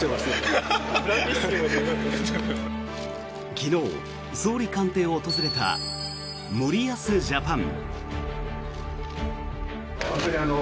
昨日、総理官邸を訪れた森保ジャパン。